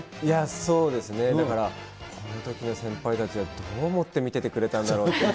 そうですね、だから、あのときの先輩たちはどう思って見ててくれたんだろうって。